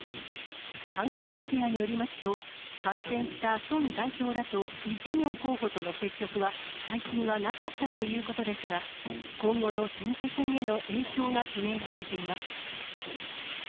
韓国メディアによりますと、感染したソン代表らとイ・ジェミョン候補との接触は、最近はなかったということですが、今後の選挙戦への影響が懸念されています。